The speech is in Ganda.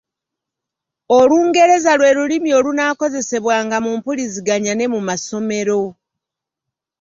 Olungereza lwe lulimi olunaakozesebwanga mu mpuliziganya ne mu masomero.